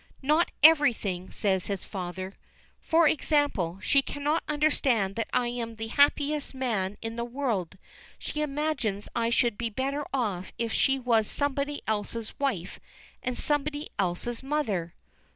"Not everything," says his father. "For example, she cannot understand that I am the happiest man in the world; she imagines I should be better off if she was somebody else's wife and somebody else's mother."